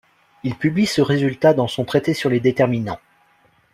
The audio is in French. Il publie ce résultat dans son traité sur les déterminants.